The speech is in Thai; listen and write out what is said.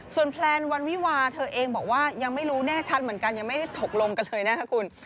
แพลนวันวิวาเธอเองบอกว่ายังไม่รู้แน่ชัดเหมือนกันยังไม่ได้ถกลงกันเลยนะคะคุณ